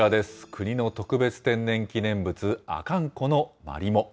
国の特別天然記念物、阿寒湖のマリモ。